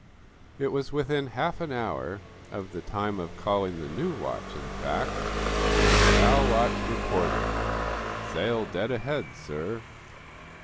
It was within half an hour of the time of calling the new watch, in fact, when the bow watch reported: "Sail dead ahead, sir!"